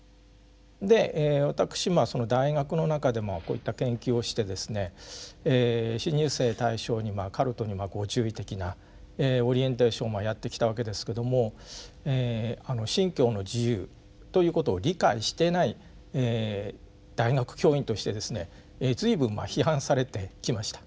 で私大学の中でこういった研究をしてですね新入生対象にカルトにご注意的なオリエンテーションやってきたわけですけども「信教の自由」ということを理解してない大学教員としてですね随分まあ批判されてきました。